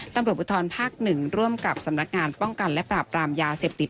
ตำรวจภูทรภาค๑ร่วมกับสำนักงานป้องกันและปราบรามยาเสพติด